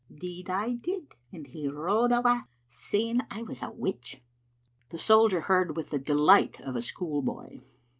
" 'Deed I did, and he rode awa' saying I was a witch. " The soldier heard with the delight of a schoolboy.